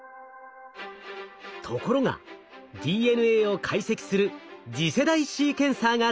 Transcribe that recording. ところがＤＮＡを解析する次世代シーケンサーが登場。